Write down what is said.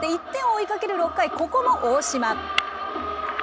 １点を追いかける６回、ここも大島。